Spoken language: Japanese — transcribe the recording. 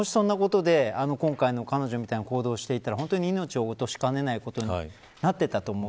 今回の彼女のような行動をしていたら、本当に命を落としかねないことになっていたと思う。